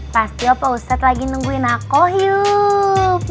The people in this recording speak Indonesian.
pasti opa ustadz lagi nungguin aku yuk